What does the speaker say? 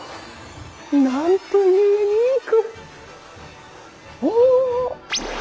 なんてユニーク！